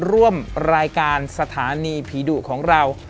ร่วมรายการสถานีผีดุของเรา